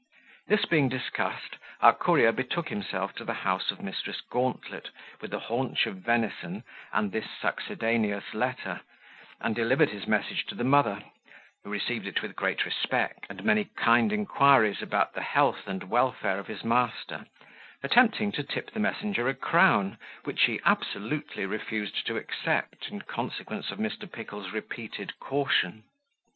This being discussed, our courier betook himself to the house of Mrs. Gauntlet with the haunch of venison and this succedaneous letter, and delivered his message to the mother, who received it with great respect, and many kind inquiries about the health and welfare of his master, attempting to tip the messenger a crown, which he absolutely refused to accept, in consequence of Mr. Pickle's repeated caution.